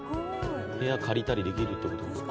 部屋借りたりできるって事ですか？